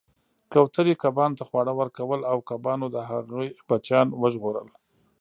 کوترې کبانو ته خواړه ورکول او کبانو د هغې بچیان وژغورل